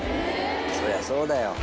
そりゃそうだよ。